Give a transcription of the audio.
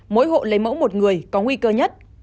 mỗi hộ lấy mẫu một người có nguy cơ nhất